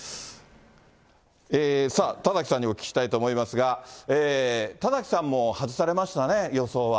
田崎さんにお聞きしたいと思いますが、田崎さんも外されましたね、予想は。